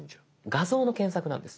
画像の検索なんです。